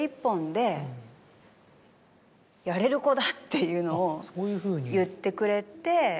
だっていうのを言ってくれて。